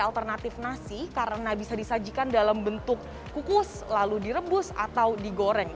alternatif nasi karena bisa disajikan dalam bentuk kukus lalu direbus atau digoreng